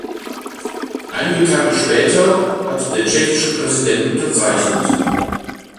Einige Tage später hat der tschechische Präsident unterzeichnet.